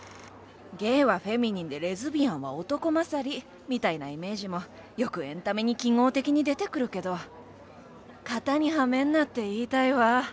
ゲイはフェミニンでレズビアンは男勝りみたいなイメージもよくエンタメに記号的に出てくるけど型にはめんなって言いたいわ。